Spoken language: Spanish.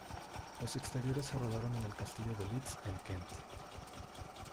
Los exteriores se rodaron en el castillo de Leeds, en Kent.